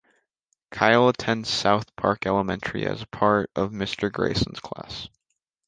Kyle attends South Park Elementary as part of Mr. Garrison's class.